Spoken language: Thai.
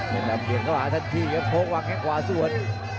เผ็ดดำเกลียดเข้าหาท่านพี่พวกมันวางแข้งขวาส่วน